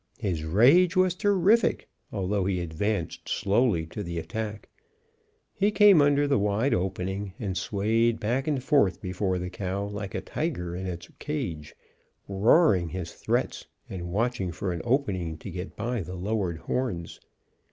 His rage was terrific, although he advanced slowly to the attack. He came under the wide opening and swayed back and forth before the cow like a tiger in its cage, roaring his threats and watching for an opening to get by the lowered horns.